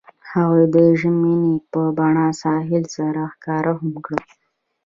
هغوی د ژمنې په بڼه ساحل سره ښکاره هم کړه.